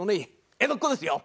江戸っ子ですよ！